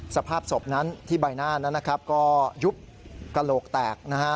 สภาพศพนั้นที่ใบหน้านั้นนะครับก็ยุบกระโหลกแตกนะฮะ